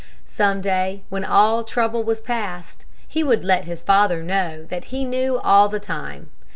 Some day, when all trouble was past, he would let his father know that he knew all the time.